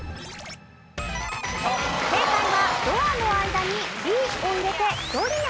正解はドアの間に「リ」を入れてドリア。